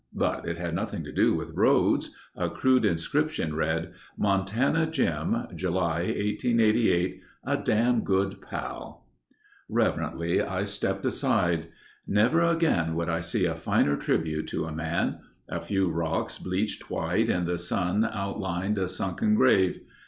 But it had nothing to do with roads. A crude inscription read: Montana Jim July 1888 A dam good pal Reverently I stepped aside. Never again would I see a finer tribute to man. A few rocks bleached white in the sun outlined a sunken grave.